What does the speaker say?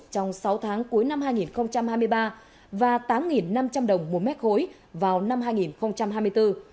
trong sáu tháng cuối năm hai nghìn hai mươi ba và tám năm trăm linh đồng một mét khối vào năm hai nghìn hai mươi bốn